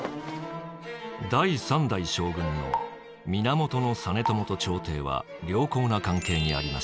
第三代将軍の源実朝と朝廷は良好な関係にありました。